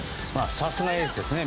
さすがエースですね。